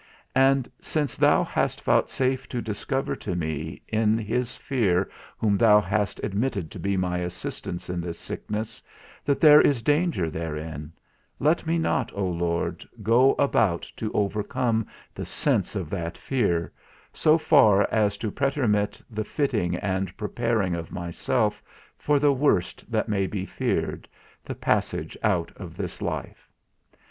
And since thou hast vouchsafed to discover to me, in his fear whom thou hast admitted to be my assistance in this sickness, that there is danger therein, let me not, O Lord, go about to overcome the sense of that fear, so far as to pretermit the fitting and preparing of myself for the worst that may be feared, the passage out of this life.